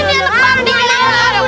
yang bandel ya anak ini